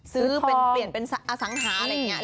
ซื้อเป็นเปลี่ยนเป็นอสังหาอะไรอย่างนี้